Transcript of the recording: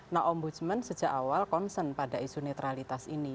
nah ombudsman sejak awal concern pada isu netralitas ini